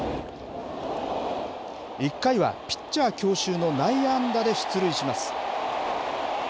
１回はピッチャー強襲の内野安打で出塁します。